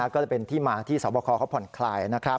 ก็เลยเป็นที่มาที่สวบคเขาผ่อนคลายนะครับ